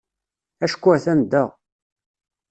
Acku atan da.